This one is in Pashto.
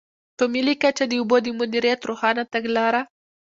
په ملي کچه د اوبو د مدیریت روښانه تګلاره.